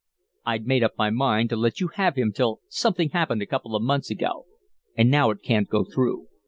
I'd made up my mind to let you have him till something happened a couple of months ago, but now it can't go through.